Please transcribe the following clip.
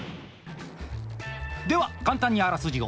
では簡単にあらすじを。